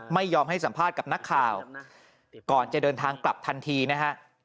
ไม่ยอมให้สัมภาษณ์กับนักข่าวก่อนจะเดินทางกลับทันทีนะฮะ